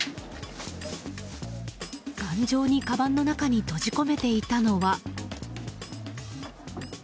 頑丈にかばんの中に閉じ込めていたのは。